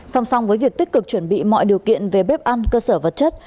xong xong với việc tích cực chuẩn bị mọi điều kiện về bếp ăn cơ sở vật chất